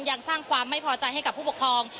ยังสร้างความไม่พอใจให้กับผู้ปกครอง